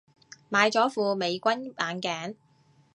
買咗副美軍眼鏡